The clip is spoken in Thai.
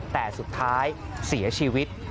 แต่สุดท้ายเสียชีวิต